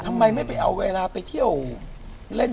ทำไมไม่ไปเอาเวลาไปเที่ยวเล่น